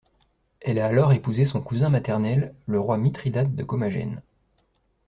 Elle a alors épousé son cousin maternel, le roi Mithridate de Commagène.